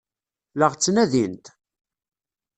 La ɣ-ttnadint?